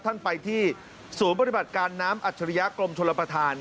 ท่านไปที่ศูนย์ปฏิบัติการน้ำอัจฉริยะกรมชลประธาน